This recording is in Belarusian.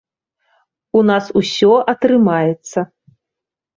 У нас усё атрымаецца!